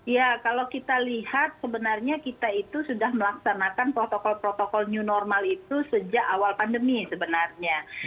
ya kalau kita lihat sebenarnya kita itu sudah melaksanakan protokol protokol new normal itu sejak awal pandemi sebenarnya